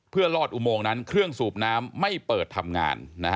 เพื่อลอดอุโมงนั้นเครื่องสูบน้ำไม่เปิดทำงาน